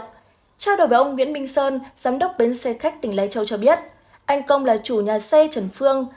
trao đổi với ông nguyễn minh sơn giám đốc bến xe khách tỉnh lai châu cho biết anh công là chủ nhà xe trần phương